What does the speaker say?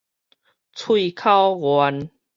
喙口願